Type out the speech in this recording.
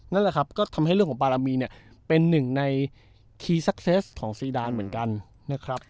นั่นแหละครับก็ทำให้เรื่องของบารมีเนี่ยเป็นหนึ่งในคีย์ซักเซสของซีดานเหมือนกันนะครับ